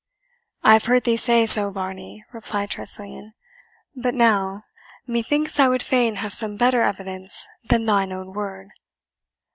"I have heard thee say so, Varney," replied Tressilian; "but now, methinks, I would fain have some better evidence than thine own word."